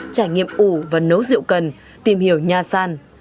trải nghiệm ủ và nấu rượu cần tìm hiểu nha san